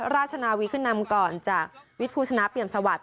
ราชนาวีขึ้นนำก่อนจากวิทย์ภูชนะเปี่ยมสวัสดิ